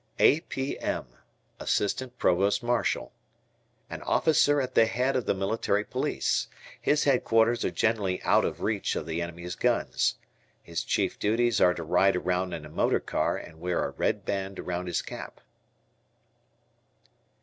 A.P.M. Assistant Provost Marshal. An officer at the head of the Military Police. His headquarters are generally out of reach of the enemy's guns. His chief duties are to ride around in a motor car and wear a red band around his cap.